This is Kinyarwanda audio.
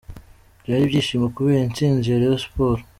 Byari ibyishimo kubera intsinzi ya Rayon Sport.